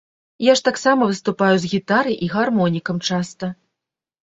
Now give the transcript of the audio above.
Я ж таксама выступаю з гітарай і гармонікам часта.